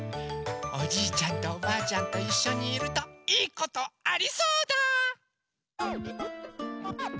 おじいちゃんとおばあちゃんといっしょにいると「いいことありそうだ！」。